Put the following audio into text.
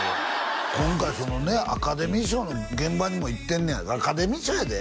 今回そのねアカデミー賞の現場にも行ってんねやアカデミー賞やで？